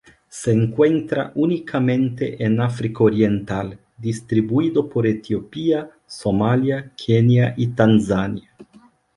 Se encuentra únicamente en África oriental, distribuido por Etiopía, Somalia, Kenia y Tanzania.